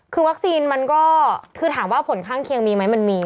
คือวัคซีนมันก็คือถามว่าผลข้างเคียงมีไหมมันมี